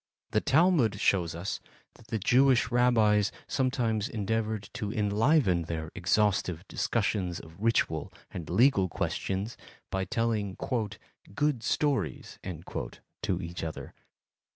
The Talmud shows us that the Jewish Rabbis sometimes endeavored to enliven their exhaustive discussions of ritual and legal questions by telling "good stories" to each other.